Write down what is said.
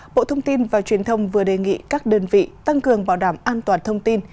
bộ thông tin và truyền thông vừa đề nghị các đơn vị tăng cường bảo đảm an toàn thông tin